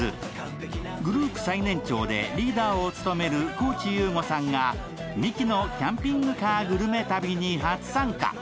グループ最年長でリーダーを務める高地優吾さんがミキのキャンピングカーグルメ旅に初参加。